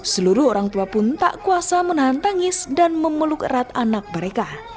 seluruh orang tua pun tak kuasa menahan tangis dan memeluk erat anak mereka